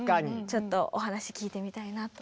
ちょっとお話聞いてみたいなと。